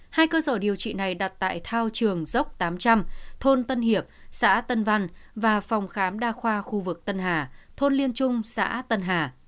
hai cơ sở điều trị này đặt tại thao trường dốc tám trăm linh thôn tân hiệp xã tân văn và phòng khám đa khoa khu vực tân hà thôn liên trung xã tân hà